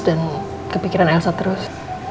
dan kepikiran elsa terus